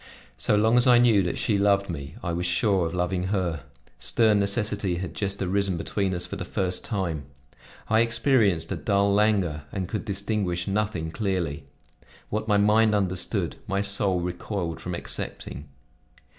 So long as I knew that she loved me, I was sure of loving her; stern necessity had just arisen between us for the first time. I experienced a dull languor and could distinguish nothing clearly. What my mind understood, my soul recoiled from accepting.